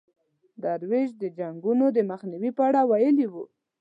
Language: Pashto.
درویش د جنګونو د مخنیوي په اړه ویلي وو.